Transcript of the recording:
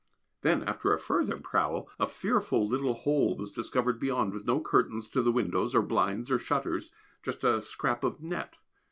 Then, after a further prowl, a fearful little hole was discovered beyond, with no curtains to the windows, or blinds, or shutters, just a scrap of net.